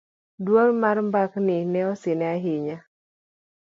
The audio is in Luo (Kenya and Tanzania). dwol mar mbakgi ne osine ahinya